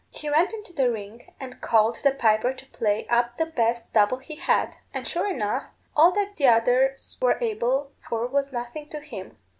He went into the ring, and called the piper to play up the best double he had. And sure enough, all that the others were able for was nothing to him!